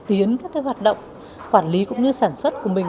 cải tiến các cái hoạt động quản lý cũng như sản xuất của mình